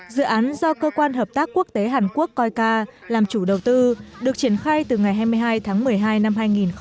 dự án do cơ quan hợp tác quốc tế hàn quốc coica làm chủ đầu tư được triển khai từ ngày hai mươi hai tháng một mươi hai năm hai nghìn một mươi